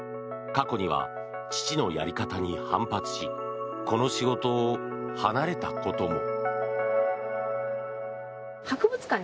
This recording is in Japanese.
過去には父のやり方に反発しこの仕事を離れたことも。